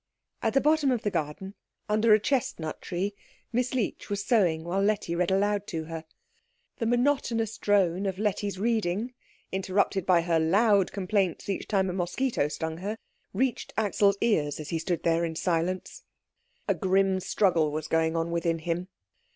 At the bottom of the garden, under a chestnut tree, Miss Leech was sewing, while Letty read aloud to her. The monotonous drone of Letty's reading, interrupted by her loud complaints each time a mosquito stung her, reached Axel's ears as he stood there in silence. A grim struggle was going on within him.